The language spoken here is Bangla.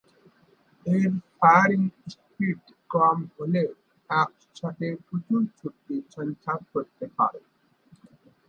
এর ফায়ারিং স্পিড কম হলেও এক শটে প্রচুর শক্তি সঞ্চার করতে পারে।